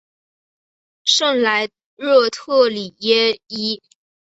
圣莱热特里耶伊。